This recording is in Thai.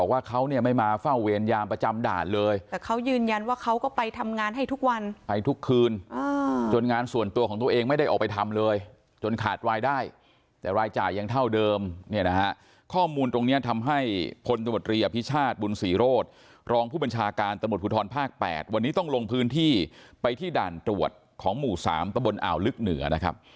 วันนี้ต้องลงพื้นที่ไปที่ด่านตรวจของหมู่๓ตะบนอ่าวลึกเหนือนะครับ